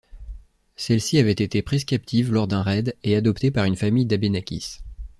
Celle-ci avait été prise captive lors d'un raid et adoptée par une famille d'Abénaquis.